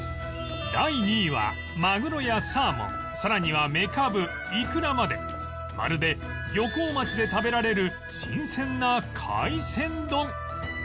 第２位はマグロやサーモンさらにはめかぶいくらまでまるで漁港町で食べられる新鮮な海鮮丼